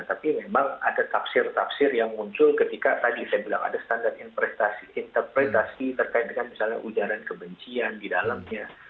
tapi memang ada tafsir tafsir yang muncul ketika tadi saya bilang ada standar interpretasi terkait dengan misalnya ujaran kebencian di dalamnya